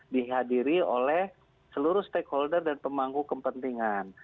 dihadiri oleh seluruh stakeholder dan pemangku kepentingan